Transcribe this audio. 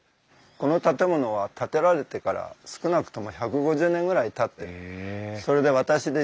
この建物は建てられてから少なくとも１５０年ぐらいたっててそれで私で１１代目なんです。